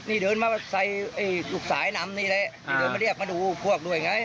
นี่เดินมาใส่ไอ้ลูกสายนำนี่แหละที่เดินมาเรียกมาดูพวกด้วยไง